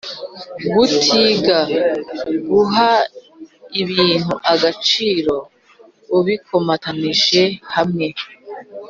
gutiga: guha ibintu agaciro ubikomatanyirije hamwe